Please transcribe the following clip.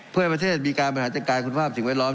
เพื่อให้ประเทศมีการบริหารจัดการคุณภาพสิ่งแวดล้อม